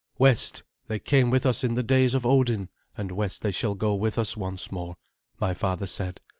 "West they came with us in the days of Odin, and west they shall go with us once more," my father said.